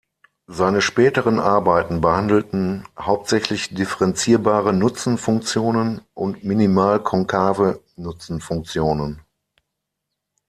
Seine späteren Arbeiten behandelten hauptsächlich differenzierbare Nutzenfunktionen und minimal-konkave Nutzenfunktionen.